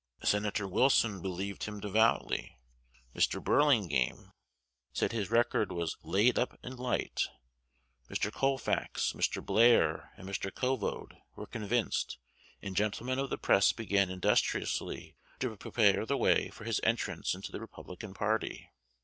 Senator Wilson believed him devoutly; Mr. Burlingame said his record was "laid up in light;" Mr. Colfax, Mr. Blair, and Mr. Covode were convinced; and gentlemen of the press began industriously to prepare the way for his entrance into the Republican party.